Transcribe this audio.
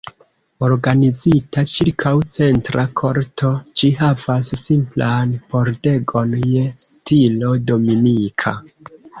Organizita ĉirkaŭ centra korto, ĝi havas simplan pordegon je stilo dominika.